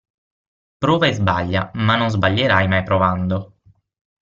Prova e sbaglia, ma non sbaglierai mai provando.